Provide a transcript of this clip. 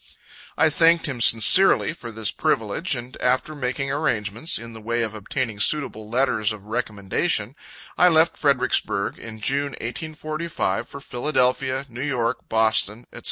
I thanked him sincerely for this privilege, and after making arrangements, in the way of obtaining suitable letters of recommendation, I left Fredericksburg, in June, 1845, for Philadelphia, New York, Boston, &c.